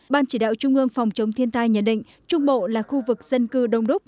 ban chỉ đạo trung ương phòng chống thiên tai nhận định trung bộ là khu vực dân cư đông đúc